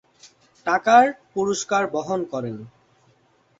টাকার পুরস্কার বহন করেন।